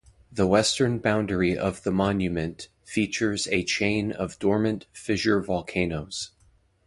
The western boundary of the monument features a chain of dormant fissure volcanoes.